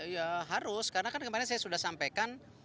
ya harus karena kan kemarin saya sudah sampaikan